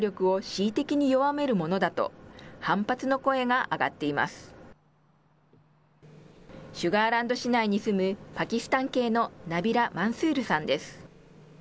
シュガーランド市内に住むパキスタン系のナビラ・マンスールさんです。